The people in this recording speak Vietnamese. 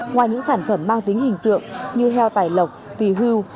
ngoài những sản phẩm mang tính hình tượng như heo tài lộc tùy hưu